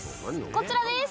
こちらです。